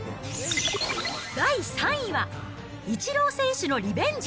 第３位は、イチロー選手のリベンジ。